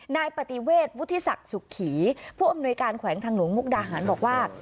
นายปฏิเวทวุฒิศักดิ์สุขีผู้อำนวยการแขวงทางหลวงมุกดาหารบอกว่า